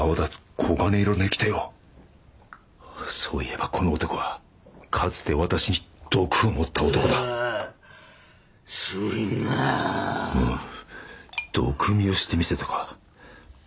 黄金色の液体はそういえばこの男はかつて私に毒を盛った男だしみんなあ毒味をしてみせたかんー